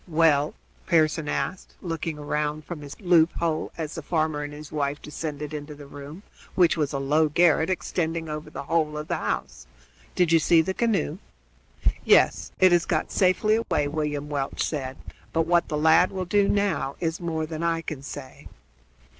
"Well?" Pearson asked, looking round from his loop hole as the farmer and his wife descended into the room, which was a low garret extending over the whole of the house. "Do you see the canoe?" "Yes, it has got safely away," William Welch said; "but what the lad will do now is more than I can say."